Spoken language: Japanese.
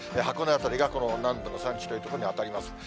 箱根辺りがこの南部の山地という所に当たります。